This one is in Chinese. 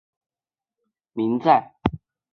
更多相关的性质及证明在。